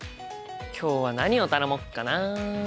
今日は何を頼もっかな。